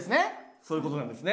そういう事なんですね。